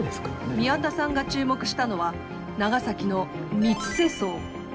宮田さんが注目したのは長崎の三ツ瀬層。